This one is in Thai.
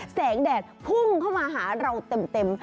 แดดพุ่งเข้ามาหาเราเต็ม